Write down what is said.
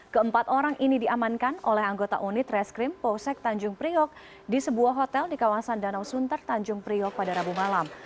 keempat orang ini diamankan oleh anggota unit reskrim polsek tanjung priok di sebuah hotel di kawasan danau sunter tanjung priok pada rabu malam